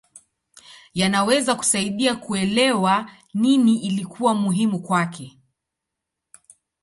Yanaweza kusaidia kuelewa nini ilikuwa muhimu kwake.